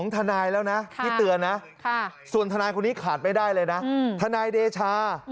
ทนายแล้วนะที่เตือนนะส่วนทนายคนนี้ขาดไม่ได้เลยนะทนายเดชา